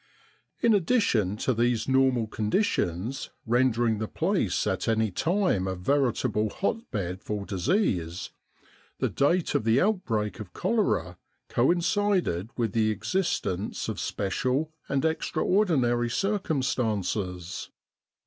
In addition to these normal conditions rendering the place at any time a veritable hot bed for disease, the date of the outbreak of cholera coincided with the existence of special and extraordinary cir cumstances.